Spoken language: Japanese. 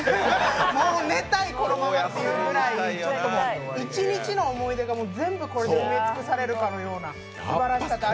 もう寝たい、このままっていうぐらい、一日の思い出が全部これで埋め尽くされるかのようなすばらしかったです